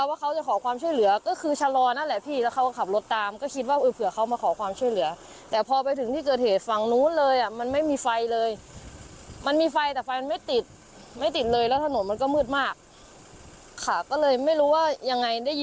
แล้วก็เหมือนกับว่าน่าจะทำอะไรกระจกด้วยกระจกข้างมันหักอะไรอย่างเงี้ย